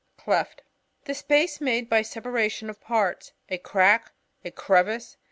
Cleft. — A space made by the sepa ration of parts; a crack; a crevice.